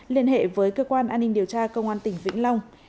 liên hệ với cơ quan an ninh điều tra công an tỉnh vĩnh long